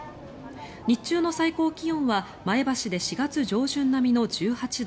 日中の最高気温は前橋で４月上旬並みの１８度